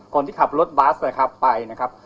คนที่ขับรถบัสนะครับไปนะครับ